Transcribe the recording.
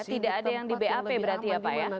tidak ada yang di bap berarti ya pak ya